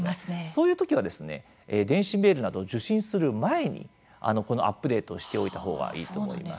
そういう時は電子メールなどを受信をする前にこのアップデートをしておいた方がいいと思います。